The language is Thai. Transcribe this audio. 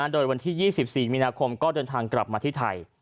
โดยวันที่๒๔มีนาคมก็เดินทางกลับมาที่ไทย